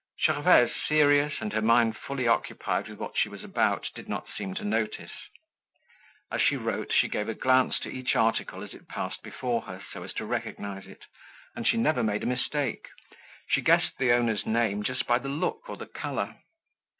Gervaise, serious and her mind fully occupied with what she was about, did not seem to notice. As she wrote she gave a glance to each article as it passed before her, so as to recognize it; and she never made a mistake; she guessed the owner's name just by the look or the color.